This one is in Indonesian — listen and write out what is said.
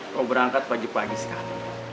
kau berangkat pagi pagi sekali